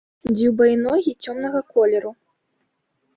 Дзюба і ногі цёмнага колеру.